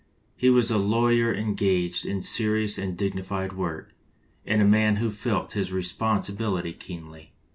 He was a lawyer engaged in serious and dignified work, and a man who felt his responsibility keenly."